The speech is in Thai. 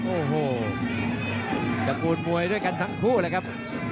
โอ้โหจะบูนมวยด้วยกันทั้งคู่นะครับ